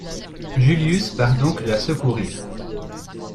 Julius part donc la secourir.